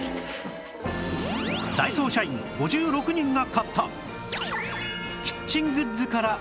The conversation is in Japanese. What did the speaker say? ダイソー社員５６人が買った